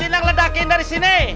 yang ledakin dari sini